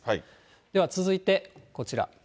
では続いてこちら。